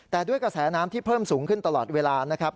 แต่ด้วยกระแสน้ำที่เพิ่มสูงขึ้นตลอดเวลานะครับ